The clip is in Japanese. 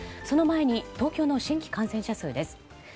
その前に東京の新規感染者数です。